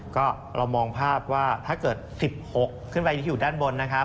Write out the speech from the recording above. ก็เรามองภาพว่าถ้าเกิด๑๖ขึ้นไปที่อยู่ด้านบนนะครับ